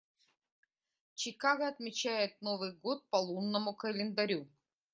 Чикаго отмечает Новый год по лунному календарю.